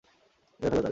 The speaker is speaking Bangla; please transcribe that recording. মেরে ফেল তাকে!